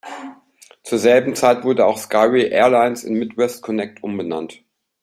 Zur selben Zeit wurde auch Skyway Airlines in Midwest Connect umbenannt.